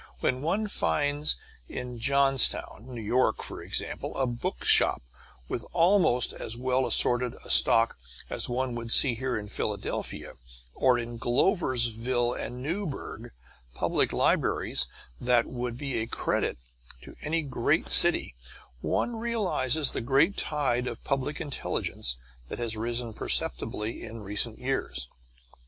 When one finds in Johnstown, N. Y., for instance, a bookshop with almost as well assorted a stock as one would see here in Philadelphia; or in Gloversville and Newburgh public libraries that would be a credit to any large city, one realizes the great tide of public intelligence that has risen perceptibly in recent years.